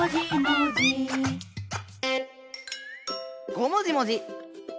「ごもじもじ」！